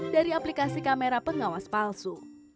dari aplikasi kamera pengawas palsu